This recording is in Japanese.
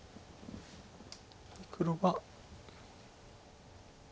黒が。